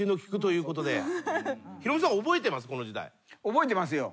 覚えてますよ。